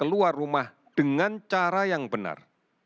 keluar rumah dengan cara yang benar